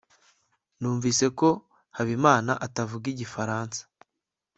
numvise ko habimana atavuga igifaransa